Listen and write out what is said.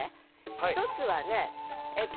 １つはねえっと